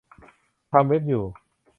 ทำเว็บ อยู่